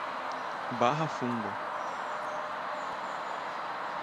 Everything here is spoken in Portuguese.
Barra Funda